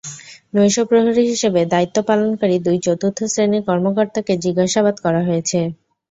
নৈশ প্রহরী হিসেবে দায়িত্ব পালনকারী দুই চতুর্থ শ্রেণির কর্মকর্তাকে জিজ্ঞাসাবাদ করা হয়েছে।